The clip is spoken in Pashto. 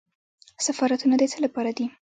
سفارتونه د څه لپاره دي؟